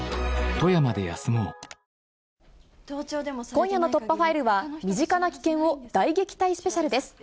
今夜の突破ファイルは、身近な危険を大撃退スペシャルです。